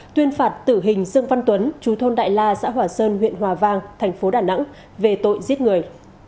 tuyên phạt tử hình dương văn tuấn chú thôn đại la xã hòa sơn huyện hòa vang thành phố đà nẵng về tội giết người